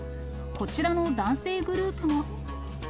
こちらの男性グループも。